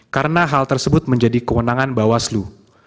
karena hal tersebut menjadi kewenangan bawah slu